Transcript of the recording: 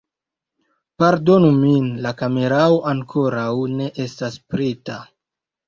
Pardonu min la kamerao ankoraŭ ne estas preta